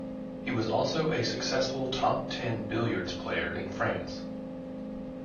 He was also a successful top ten billiards player in France.